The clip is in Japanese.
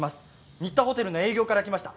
新田ホテルの営業から来ました